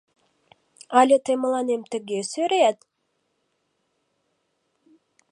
Але тый мыланем тыге сӧрет?